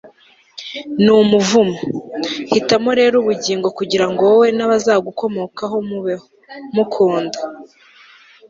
n'umuvumo. hitamo rero ubugingo kugira ngo wowe n'abazagukomokaho mubeho, mukunda